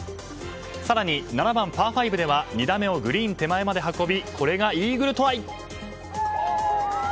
更に７番、パー５では２打目をグリーン手前まで運びこれがイーグルトライ。